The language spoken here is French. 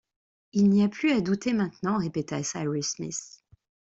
Il n’y a plus à douter maintenant, répéta Cyrus Smith.